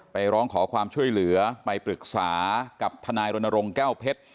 ร้องขอความช่วยเหลือไปปรึกษากับทนายรณรงค์แก้วเพชร